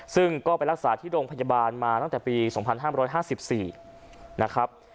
ซึ่งก็ไปรักษาที่โรงพยาบาลมาตั้งแต่ปี๒๕๕๔นะครับ